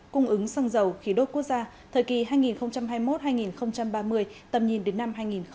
cung ứng xăng dầu khí đốt quốc gia thời kỳ hai nghìn hai mươi một hai nghìn ba mươi tầm nhìn đến năm hai nghìn bốn mươi năm